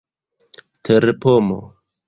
terpomo